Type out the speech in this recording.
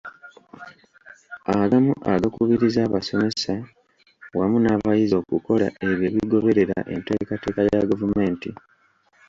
Agamu agakubiriza abasomesa wamu n’abayizi okukola ebyo ebigoberera enteekateeka ya gavumenti.